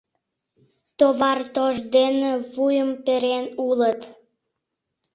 Товар тош дене вуйым перен улыт...